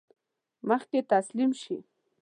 مخکې تسلیم شي.